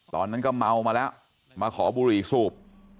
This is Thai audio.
ตอนนั้นก็เมามาแล้วมาขอบุหรี่สูบ